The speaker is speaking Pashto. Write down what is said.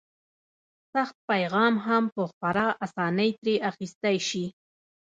سخت پیغام هم په خورا اسانۍ ترې اخیستی شي.